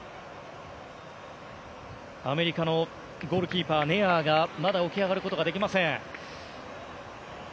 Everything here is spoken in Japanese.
アメリカのゴールキーパーネアーがまだ起き上がることができません。